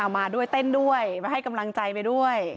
มาด้วยเต้นด้วยมาให้กำลังใจไปด้วย